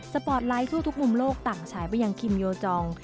ปอร์ตไลท์ทั่วทุกมุมโลกต่างฉายไปยังคิมโยจอง